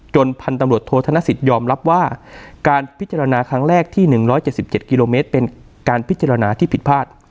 พันธุ์ตำรวจโทษธนสิทธิยอมรับว่าการพิจารณาครั้งแรกที่๑๗๗กิโลเมตรเป็นการพิจารณาที่ผิดพลาด